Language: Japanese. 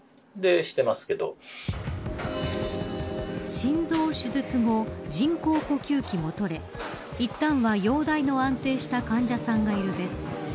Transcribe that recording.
心臓手術後人工呼吸器も取れいったんは容体の安定した患者さんがいるベッド。